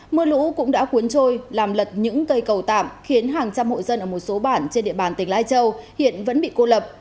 mưa lũ cũng đã cuốn trôi làm lật những cây cầu tạm khiến hàng trăm hộ dân ở một số bản trên địa bàn tỉnh lai châu hiện vẫn bị cô lập